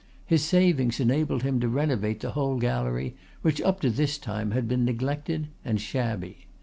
His savings enabled him to renovate the whole gallery, which up to this time had been neglected and shabby.